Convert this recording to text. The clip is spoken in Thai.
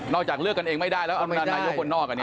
จากเลือกกันเองไม่ได้แล้วนายกคนนอกอันนี้